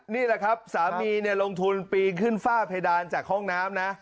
นี่แหละครับสามีลงทุนปีนขึ้นฝ้าเพดานจากห้องน้ำนะ